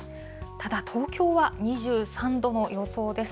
ただ、東京は２３度の予想です。